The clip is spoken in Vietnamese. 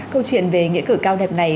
câu chuyện về nghĩa cử cao đẹp này